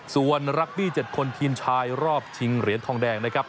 ส่วนรักบี้๗คนทีมชายรอบชิงเหรียญทองแดงนะครับ